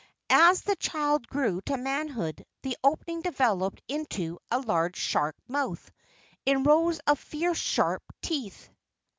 As the child grew to manhood the opening developed into a large shark mouth in rows of fierce sharp teeth.